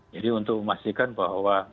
jadi untuk memastikan bahwa